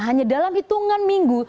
hanya dalam hitungan minggu